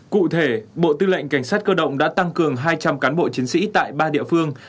cụ thể bộ tư lệnh cảnh sát cơ động đã tăng cường hai trăm linh cán bộ chiến sĩ tại ba địa phương